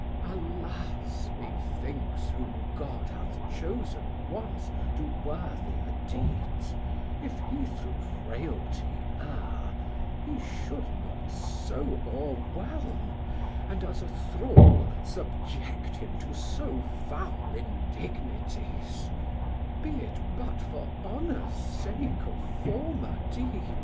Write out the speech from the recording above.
Alas methinks whom God hath chosen once To worthiest deeds, if he through frailty err, He should not so o'rewhelm, and as a thrall 370 Subject him to so foul indignities, Be it but for honours sake of former deeds.